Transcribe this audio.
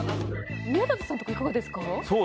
宮舘さんとかいかがですか？